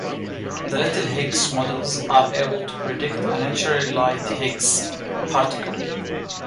The little Higgs models are able to predict a naturally-light Higgs particle.